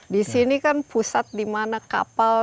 di sini kan pusat dimana kapal